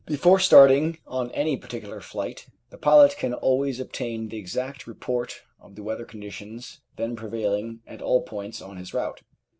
Be fore starting on any particular flight the pilot can always obtain the exact report of the weather conditions then prevailing at all points on his route.